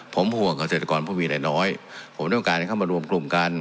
ผมห่วงกับเศรษฐกรพวกมีไหนน้อยผมต้องการให้เข้ามารวมกลุ่มกัน